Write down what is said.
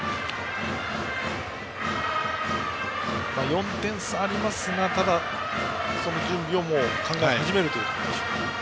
４点差ありますがただ、準備を考え始めるところでしょうか。